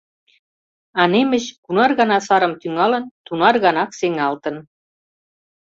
А немыч кунар гана сарым тӱҥалын — тунар ганак сеҥалтын.